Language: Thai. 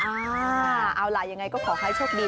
เอาล่ะยังไงก็ขอให้โชคดี